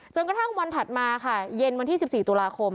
กระทั่งวันถัดมาค่ะเย็นวันที่๑๔ตุลาคม